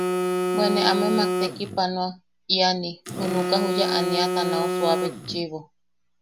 Bwe ne amemak tekipanoa iani junuka juya aniata nau suua betchiʼibo.